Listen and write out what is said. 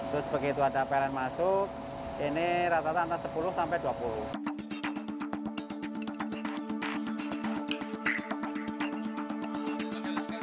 terus begitu ada pln masuk ini rata rata antara sepuluh sampai dua puluh